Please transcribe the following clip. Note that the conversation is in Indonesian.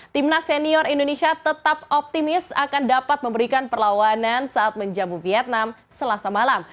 timnas senior indonesia tetap optimis akan dapat memberikan perlawanan saat menjamu vietnam selasa malam